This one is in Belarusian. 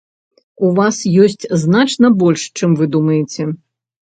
У вас ёсць значна больш, чым вы думаеце.